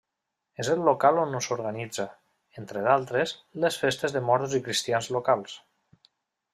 És el local on s'organitza, entre d'altres, les festes de moros i cristians locals.